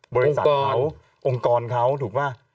บริษัทเขาองค์กรเขาถูกป่ะ